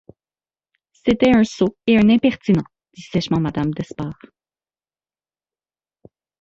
C’était un sot et un impertinent! dit sèchement madame d’Espard.